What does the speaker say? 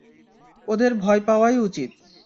ওদের ভয় পাওয়াই উচিত!